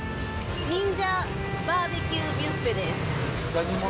ニンジャバーベキュービュッフェです。